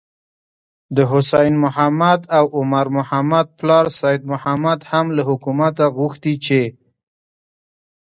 د حسين محمد او عمر محمد پلار سيد محمد هم له حکومته غوښتي چې: